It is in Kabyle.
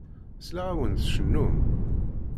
Sliɣ-awen tcennum.